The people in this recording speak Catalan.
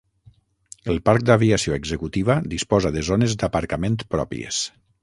El parc d'aviació executiva disposa de zones d'aparcament pròpies.